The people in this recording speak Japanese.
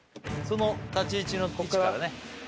その立ち位置の位置からね